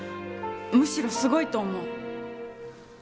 むしろすごいと思う。